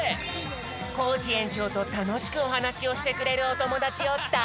コージえんちょうとたのしくおはなしをしてくれるおともだちをだ